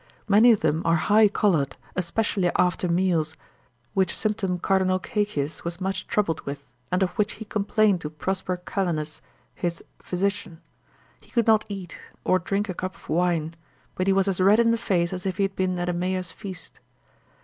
Many of them are high coloured especially after meals, which symptom Cardinal Caecius was much troubled with, and of which he complained to Prosper Calenus his physician, he could not eat, or drink a cup of wine, but he was as red in the face as if he had been at a mayor's feast.